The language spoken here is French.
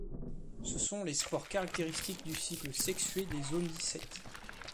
Ce sont les spores caractéristiques du cycle sexué des Oomycètes.